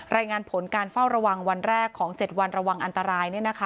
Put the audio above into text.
รายงานผลการเฝ้าระวังวันแรกของ๗วันระวังอันตราย